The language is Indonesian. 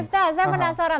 tapi bifta saya penasaran